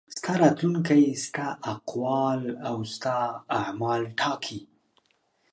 ستا راتلونکی ستا اقوال او ستا اعمال ټاکي.